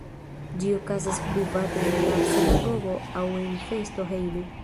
Ĝi okazas private en la sinagogo aŭ en festo hejme.